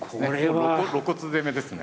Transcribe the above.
露骨攻めですね。